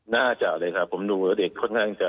น่าจะเลยครับผมดูว่าเด็กค่อยจะ